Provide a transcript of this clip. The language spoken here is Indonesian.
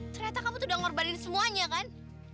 ternyata kamu tuh udah ngorin semuanya kan